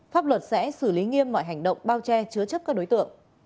pháp luật sẽ xử lý nghiêm mọi hành động bao che chứa chấp các đối tượng